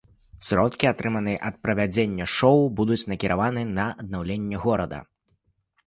Сродкі, атрыманыя ад правядзення шоў, будуць накіраваны на аднаўленне горада.